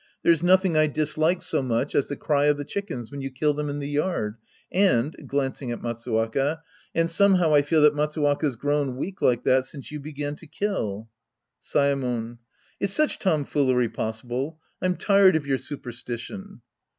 There's nothing I dislike so much as the cry of the chickens when you kill them in the yard. And — {glancing at Matsuwaka) and somehow I feel that Matsuwaka's grown weak like that since you began to kill. Saemon. Is such tomfoolery possible ? I'm tired of your superstition.